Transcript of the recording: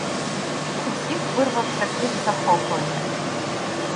В усіх вирвався крик захоплення: